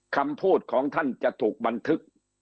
คำพูดของท่านจะถูกบันทึก